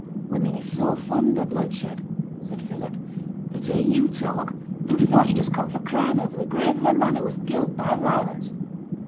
'Women is so fond o' bloodshed,' said Philip; 'for t' hear you talk, who'd ha' thought you'd just come fra' crying ower the grave of a man who was killed by violence?